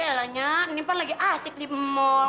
yah lah nyak ini pun lagi asik di mall